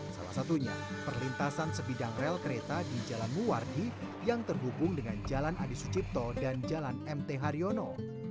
salah satunya perlintasan sebidang rel kereta di jalan muwardi yang terhubung dengan jalan adi sucipto dan jalan mt haryono